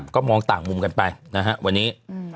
ก็มองต่างมุมกันไปนะฮะวันนี้